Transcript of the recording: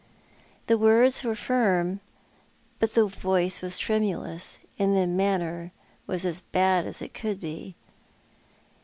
The words were firm, but the voice was tremulous, and the manner was as bad as it could be.